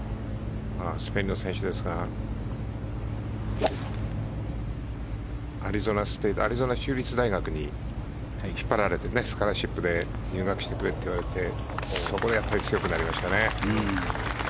スペインの選手ですからアリゾナ州立大学に引っ張られてスカラーシップで入学してくれてそこで強くなりましたね。